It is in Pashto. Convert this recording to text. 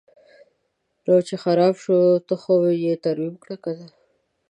نو چې خراب شو ته خو یې ترمیم کړه کنه.